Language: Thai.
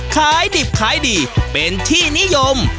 ขายดิบขายดีเป็นที่นิยม